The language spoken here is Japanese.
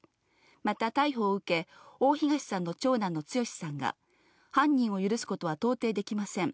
また、逮捕を受け、大東さんの長男の剛志さんが、犯人を許すことは到底できません。